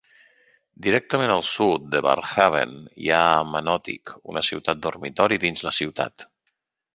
Directament al sud de Barrhaven hi ha Manotick, una ciutat dormitori dins la ciutat.